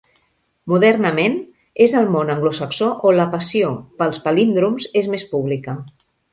Modernament, és al món anglosaxó on la passió pels palíndroms és més pública.